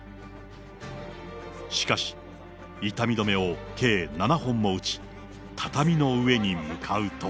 しかし、痛み止めを計７本も打ち、畳の上に向かうと。